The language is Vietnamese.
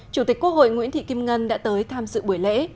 chủ tịch quốc hội nguyễn thị kim ngân đã tới tham dự buổi lễ